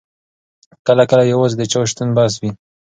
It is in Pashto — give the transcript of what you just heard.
کله کله یوازې د چا شتون بس وي.